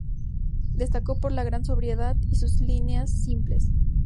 Destaca por la gran sobriedad y sus líneas simples.